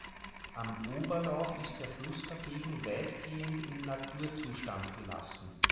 Am Oberlauf ist der Fluss dagegen weitgehend im Naturzustand belassen.